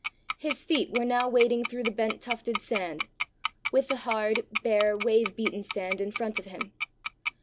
His feet were now wading through the bent tufted sand, with the hard, bare, wave beaten sand in front of him.